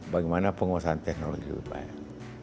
bagaimana penguasaan teknologi lebih baik